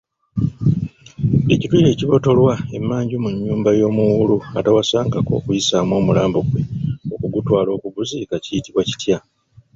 Ekituli ekibotolwa emmanju mu nyumba y'omuwuulu atawasangako okuyisaamu omulambo gwe okugutwala okuguziika kiyitibwa kitya?